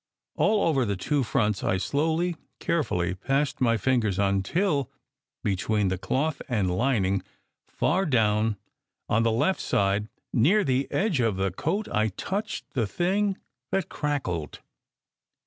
All over the two fronts I slowly, carefully, passed my fingers until, between the cloth and lining, far down on the SECRET HISTORY left side near the edge of the coat, I touched the thing that crackled.